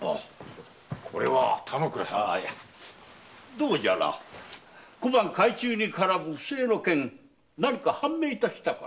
どうじゃ小判改鋳に絡む不正は何か判明いたしたか？